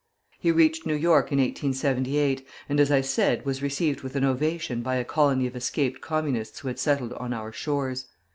He reached New York in 1878, and, as I said, was received with an ovation by a colony of escaped Communists who had settled on our shores.